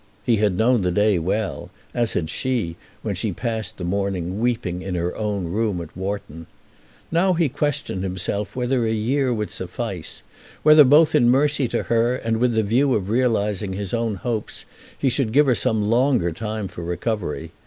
He had known the day well, as had she, when she passed the morning weeping in her own room at Wharton. Now he questioned himself whether a year would suffice, whether both in mercy to her and with the view of realizing his own hopes he should give her some longer time for recovery.